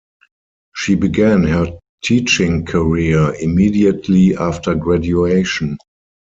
She began her teaching career immediately after graduation.